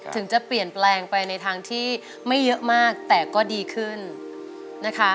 ถึงจะเปลี่ยนแปลงไปในทางที่ไม่เยอะมากแต่ก็ดีขึ้นนะคะ